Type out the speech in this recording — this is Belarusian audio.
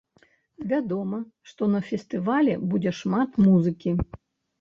Вядома, што на фестывалі будзе шмат музыкі.